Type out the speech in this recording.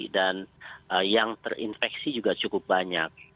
dan yang terinfeksi juga cukup banyak